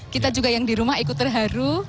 kita juga yang di rumah ikut terharu